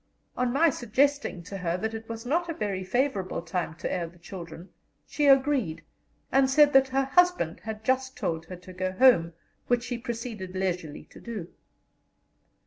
On my suggesting to her that it was not a very favourable time to air the children, she agreed, and said that her husband had just told her to go home, which she proceeded leisurely to do.